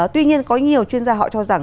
tuy nhiên có nhiều chuyên gia họ cho rằng